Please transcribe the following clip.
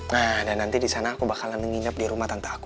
nah dan nanti disana aku bakalan nginap di rumah tante aku